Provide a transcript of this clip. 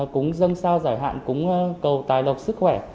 cúng dân sao giải hạn cúng cầu tài độc sức khỏe